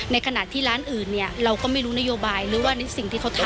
ในขณะที่ร้านอื่นเนี่ยเราก็ไม่รู้นโยบายหรือว่าในสิ่งที่เขาทำ